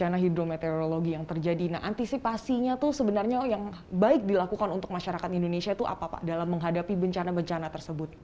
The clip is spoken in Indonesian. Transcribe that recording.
nah antisipasinya itu sebenarnya yang baik dilakukan untuk masyarakat indonesia itu apa pak dalam menghadapi bencana bencana tersebut